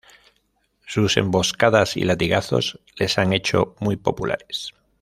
Sus emboscadas y latigazos les han hecho muy populares.